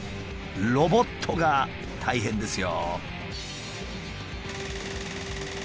ロボットが大変ですよ。